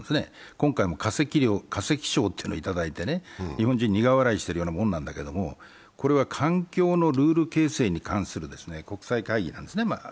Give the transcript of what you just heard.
今回、化石賞というものを頂いてね日本人、苦笑いしているようなもんなんだけれどもこれは環境のルール形成に関する国際会議なんですね。